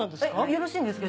よろしいんですか？